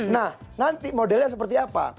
nah nanti modelnya seperti apa